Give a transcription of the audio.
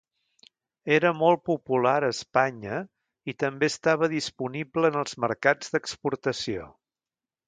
Era molt popular a Espanya i també estava disponible en els mercats d'exportació.